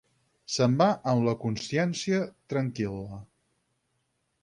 Se'n va amb la consciència tranquil·la.